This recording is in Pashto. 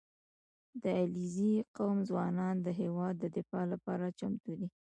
• د علیزي قوم ځوانان د هېواد د دفاع لپاره چمتو دي.